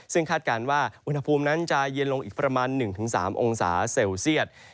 ซึ่งคาดการณ์ว่าอุณหภูมินั้นจะเย็นลงอีกประมาณ๑๓องศาเซลเซียต